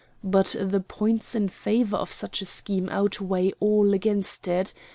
But the points in favor of such a scheme outweigh all against it.